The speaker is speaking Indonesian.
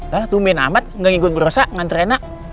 lah tuh min amat gak ngikut berosa nganter enak